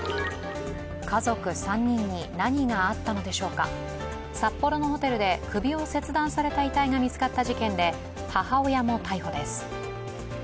家族３人に何があったのでしょうか札幌のホテルで首を切断された遺体が見つかった事件で、母親も逮捕です。